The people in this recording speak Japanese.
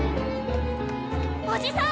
・おじさん！